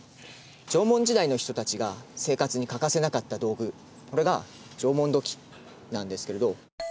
縄文時代の人たちが生活に欠かせなかった道具それが縄文土器なんですけれど。